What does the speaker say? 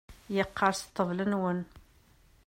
Yeqqerṣ ṭṭbel-nwen.